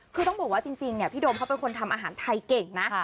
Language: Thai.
คือต้องบอกว่าจริงเนี่ยพี่โดมเขาเป็นคนทำอาหารไทยเก่งนะ